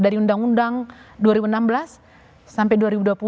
dari undang undang dua ribu enam belas sampai dua ribu dua puluh